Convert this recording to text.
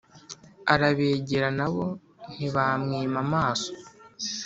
arabegera na bo ntibamwima amaso,